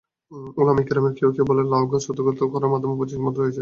উলামায়ে কিরামের কেউ কেউ বলেন, লাউগাছ উদগত করার মধ্যে প্রচুর হিকমত রয়েছে।